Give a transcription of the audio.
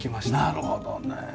なるほどね。